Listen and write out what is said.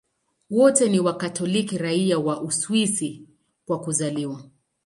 Wote ni Wakatoliki raia wa Uswisi kwa kuzaliwa.